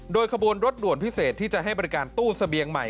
โดยขบวนรถด่วนพิเศษที่จะให้บริการตู้เสบียงใหม่